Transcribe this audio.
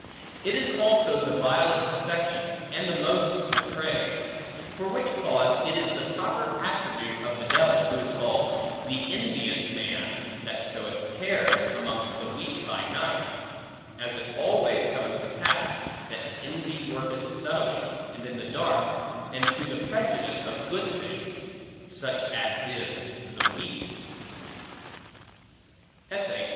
It is also the vilest affection, and the most depraved; for which cause it is the proper attribute of the devil, who is called, the envious man, that soweth tares amongst the wheat by night; as it always cometh to pass, that envy worketh subtilly, and in the dark, and to the prejudice of good things, such as is the wheat.